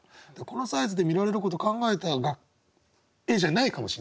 このサイズで見られることを考えた絵じゃないかもしれないけどね。